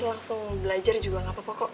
langsung belajar juga gak apa apa kok